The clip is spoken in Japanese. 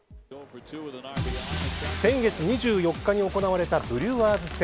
先月２４日に行われたブルワーズ戦。